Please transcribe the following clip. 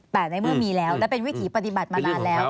แต่ในเมื่อมีแล้วและเป็นวิถีปฏิบัติมานานแล้ว